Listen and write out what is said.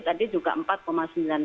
tadi juga empat sembilan triliun